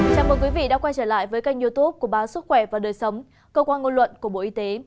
chào mừng quý vị đã quay trở lại với kênh youtube của báo sức khỏe và đời sống cơ quan ngôn luận của bộ y tế